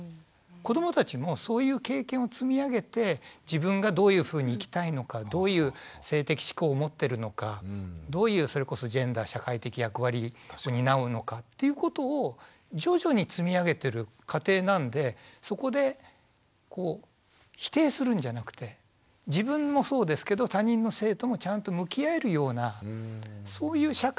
子どもたちもそういう経験を積み上げて自分がどういうふうに生きたいのかどういう性的嗜好を持ってるのかどういうそれこそジェンダー社会的役割を担うのかっていうことを徐々に積み上げてる過程なんでそこで否定するんじゃなくて自分もそうですけどそうですねえ。